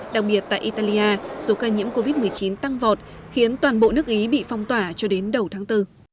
đặc biệt tại italia số ca nhiễm covid một mươi chín tăng vọt khiến toàn bộ nước ý bị phong tỏa cho đến đầu tháng bốn